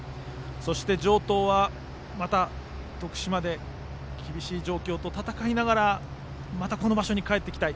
そして城東はまた徳島で厳しい状況と戦いながらまたこの場所に帰って来たい。